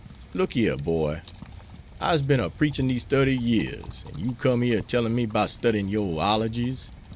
"Look a yere, boy, I'se been a preachin' dese thirty years, an' you come yere a tellin' me 'bout studying yore ologies.